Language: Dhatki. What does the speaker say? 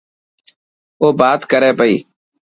او بات ڪري پئي.